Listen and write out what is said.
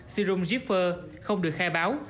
serum gifford không được khai báo